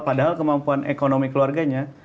padahal kemampuan ekonomi keluarganya